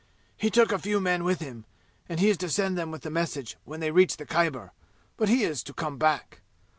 "He took a few men with him, and he is to send them with the message when they reach the Khyber, but he is to come back.